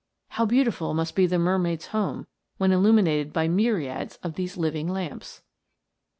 How beautiful must be the mermaid's home, when illuminated by myriads of these living lamps